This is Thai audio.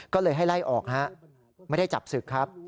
ก็เลยให้ไล่ออกฮะไม่ได้จับศึกครับ